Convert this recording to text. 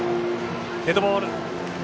デッドボール。